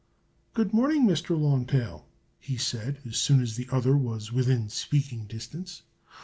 "Good morning, Mr. Long Tail!" he said as soon as the other was within speaking distance.